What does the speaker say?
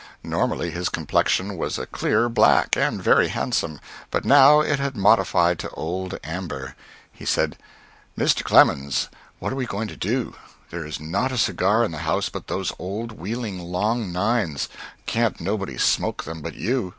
Normally his complexion was a clear black, and very handsome, but now it had modified to old amber. He said: "Mr. Clemens, what are we going to do? There is not a cigar in the house but those old Wheeling long nines. Can't nobody smoke them but you.